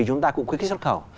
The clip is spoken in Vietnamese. chúng ta cũng khuyết kích xuất khẩu